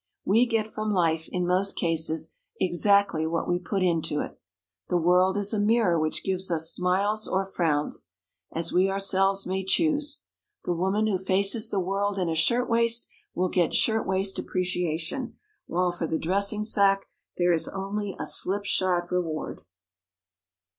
We get from life, in most cases, exactly what we put into it. The world is a mirror which gives us smiles or frowns, as we ourselves may choose. The woman who faces the world in a shirt waist will get shirt waist appreciation, while for the dressing sack there is only a slipshod reward.